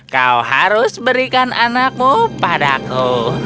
kau harus berikan anakmu padaku